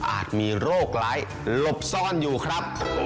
มีโรคร้ายหลบซ่อนอยู่ครับ